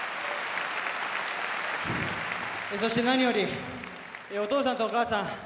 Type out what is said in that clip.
そして、何よりお父さんとお母さん